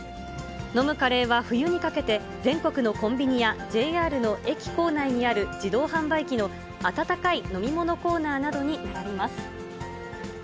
飲むカレーは、冬にかけて、全国のコンビニやＪＲの駅構内にある、自動販売機の温かい飲み物コーナーなどに並びます。